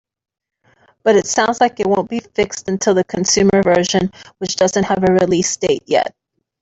But it sounds like it won't be fixed until the consumer version, which doesn't have a release date yet.